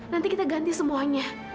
nanti kita ganti semuanya